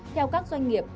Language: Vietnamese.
theo các doanh nghiệp